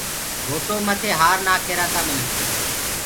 گھوٽو مٿي هآر نآک هيرآ تآ منک